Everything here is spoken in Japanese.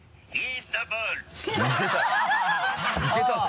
いけたぞ。